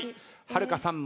はるかさん